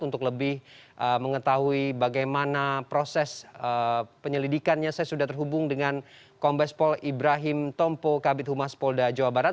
untuk lebih mengetahui bagaimana proses penyelidikannya saya sudah terhubung dengan kombes pol ibrahim tompo kabit humas polda jawa barat